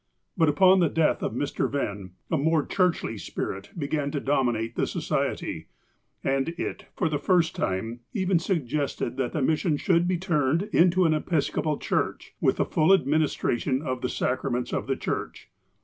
But, upon the death of Mr. Venn, a more churchly spirit began to dominate the Society, and it, for the first time, even suggested that the mission should be turned into an Episcopal church, with the full administration of the sacraments of the church.